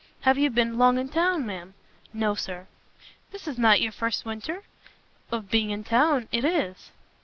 "Have you been long in town, ma'am?" "No, Sir." "This is not your first winter?" "Of being in town, it is."